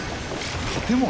建物？